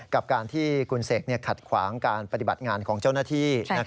กับการที่คุณเสกขัดขวางการปฏิบัติงานของเจ้าหน้าที่